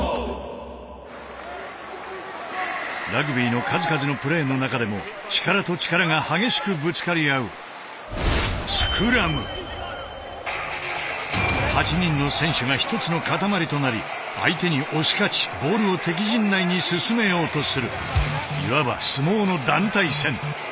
ラグビーの数々のプレーの中でも８人の選手が１つの塊となり相手に押し勝ちボールを敵陣内に進めようとするいわば相撲の団体戦。